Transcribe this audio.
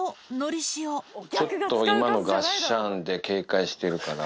ちょっと今のがっしゃんで警戒してるから。